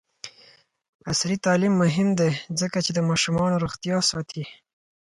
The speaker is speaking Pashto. عصري تعلیم مهم دی ځکه چې د ماشومانو روغتیا ساتي.